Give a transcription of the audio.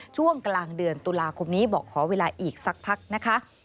ช่วงกลางเดือนตุลาคมนี้บอกขอเวลาอีกสักพักนะคะ